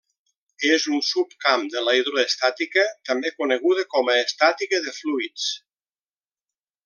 És un subcamp de la hidroestàtica, també coneguda com a estàtica de fluids.